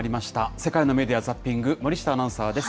世界のメディア・ザッピング、森下アナウンサーです。